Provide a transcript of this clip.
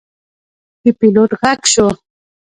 د پیلوټ غږ شو.